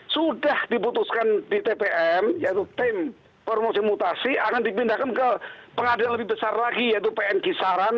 sudah diputuskan di tpm yaitu tim promosi mutasi akan dipindahkan ke pengadilan lebih besar lagi yaitu pn kisaran